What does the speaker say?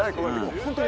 本当に。